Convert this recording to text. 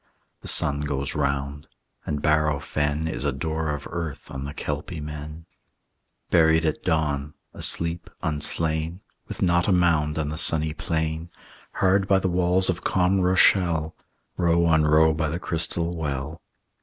The sun goes round; and Bareau Fen Is a door of earth on the Kelpie men, Buried at dawn, asleep, unslain, With not a mound on the sunny plain, Hard by the walls of calm Rochelle, Row on row by the crystal well.